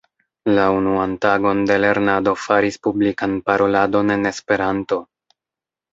La unuan tagon de lernado faris publikan paroladon en Esperanto.